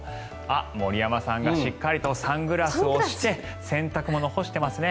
森山さんがしっかりとサングラスをして洗濯物を干していますね。